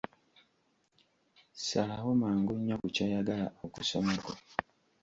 Salawo mangu nnyo ku ky'oyagala okusomako.